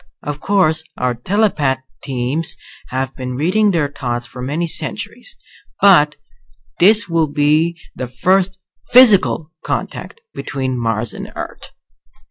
Of course our telepath teams have been reading their thoughts for many centuries, but this will be the first physical contact between Mars and Earth."